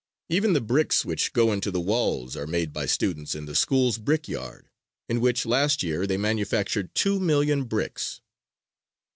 Even the bricks which go into the walls are made by students in the school's brick yard, in which, last year, they manufactured two million bricks.